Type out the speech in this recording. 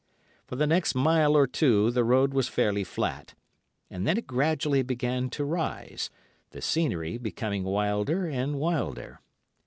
For the next mile or two the road was fairly flat, and then it gradually began to rise, the scenery becoming wilder and wilder.